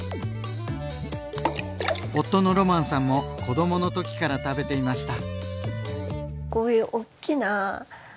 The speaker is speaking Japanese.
夫のロマンさんも子どものときから食べていました。